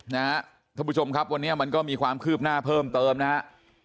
ท่านผู้ชมครับวันนี้มันก็มีความคืบหน้าเพิ่มเติมนะฮะ